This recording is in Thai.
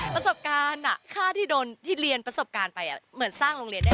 ประสบการณ์ค่าที่โดนที่เรียนประสบการณ์ไปเหมือนสร้างโรงเรียนได้